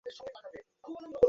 Celebrate মানে-- মানে মজা করা?